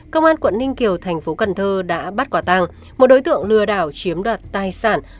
công an quận ninh kiều tp cn đã bắt quả tăng một đối tượng lừa đảo chiếm đoạt tài sản